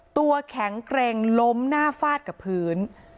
ตัวแข็งเกร็งล้มหน้าฟาดกับพื้น